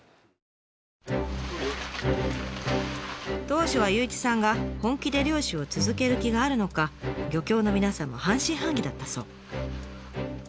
当初は祐一さんが本気で漁師を続ける気があるのか漁協の皆さんも半信半疑だったそう。